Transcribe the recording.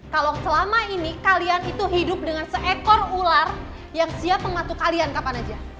kalau selama ini kalian itu hidup dengan seekor ular yang siap mengatuk kalian kapan aja